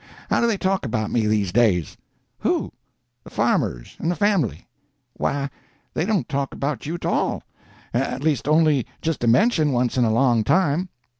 How do they talk about me these days?" "Who?" "The farmers—and the family." "Why, they don't talk about you at all—at least only just a mention, once in a long time."